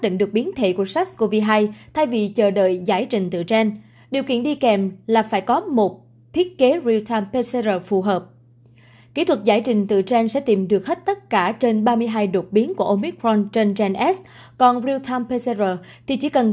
trong khi đó giải trình tựa gen rất tốn tiền và mất nhiều thời gian